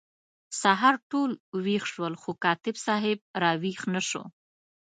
سهار ټول ویښ شول خو کاتب صاحب را ویښ نه شو.